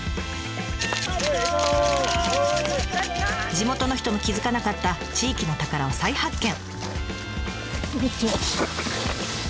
地元の人も気付かなかった地域の宝を再発見。